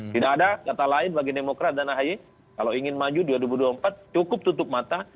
tidak ada kata lain bagi demokrat dan ahy kalau ingin maju dua ribu dua puluh empat cukup tutup mata